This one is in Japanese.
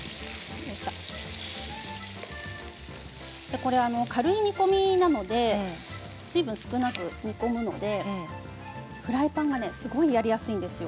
これ、軽い煮込みなので水分が少なく煮込むのでフライパンがすごくやりやすいんですよ。